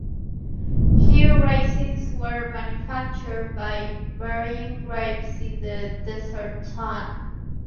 Here, raisins were manufactured by burying grapes in the desert sun.